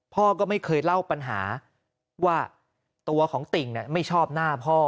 พ่อก็ไม่เคยเล่าปัญหาว่าตัวของติ่งไม่ชอบหน้าพ่อ